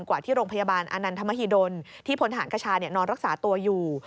กว่าที่โรงพยาบาลอานันทมหิดลที่พลทหารคชานอนรักษาตัวอยู่